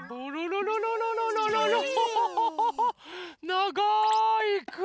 ながいくび！